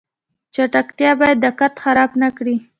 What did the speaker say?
چټکتیا باید دقت خراب نکړي